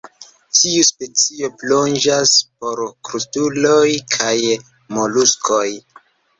Tiu specio plonĝas por krustuloj kaj moluskoj.